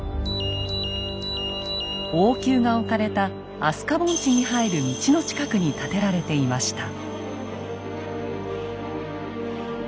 王宮が置かれた飛鳥盆地に入る道の近くに建てられていました。